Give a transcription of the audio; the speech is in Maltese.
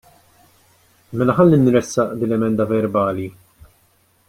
Mela ħalli nressaq din l-emenda verbali.